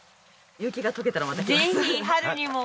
雪が解けたらまた来ます。